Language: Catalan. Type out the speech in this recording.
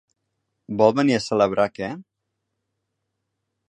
Vol venir a celebrar que?